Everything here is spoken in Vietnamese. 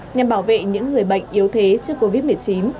nhằm bảo vệ những người bệnh yếu thế trước covid một mươi chín